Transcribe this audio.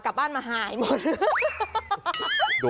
กลับบ้านมาหายหมดเลย